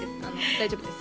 大丈夫です